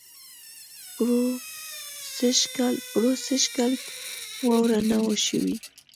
پروسږ کال واؤره نۀ وه شوې